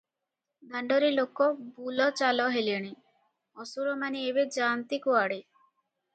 ଦାଣ୍ତରେ ଲୋକ ବୁଲ ଚାଲ ହେଲେଣି, ଅସୁରମାନେ ଏବେ ଯାଆନ୍ତି କୁଆଡେ?